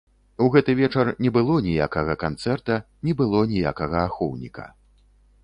У гэты вечар не было ніякага канцэрта, не было ніякага ахоўніка.